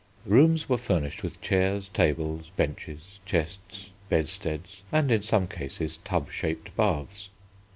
Rooms were furnished with chairs, tables, benches, chests, bedsteads, and, in some cases, tub shaped baths.